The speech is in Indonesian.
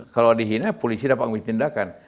kalau dihina polisi dapat memberi tindakan